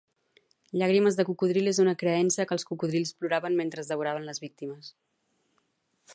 Llàgrimes de cocodril és una creença que els cocodrils ploraven mentre devoraven les víctimes